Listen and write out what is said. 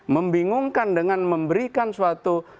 membingungkan dengan memberikan suatu